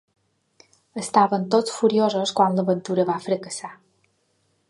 Estaven tots furiosos quan l'aventura va fracassar.